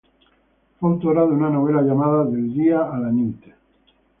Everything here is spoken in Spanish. Fue autora de una novela llamada "Del dia a la nit".